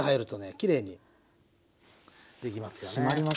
きれいにできますからね。